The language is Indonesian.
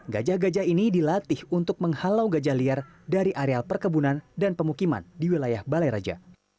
gajah gajah ini dilatih untuk menghalau gajah liar dari areal perkebunan dan pemukiman di wilayah balai raja